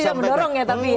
itu yang mendorong ya tapi ya